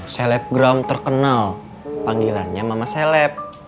seleb gram terkenal panggilannya mama seleb